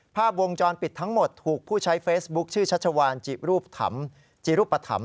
ภาพวงจรปิดทั้งหมดถูกผู้ใช้เฟซบุ๊คชื่อชัชวานจิรูปจิรูปธรรม